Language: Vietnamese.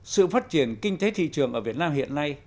sự phát triển kinh tế thị trường ở việt nam hiện nay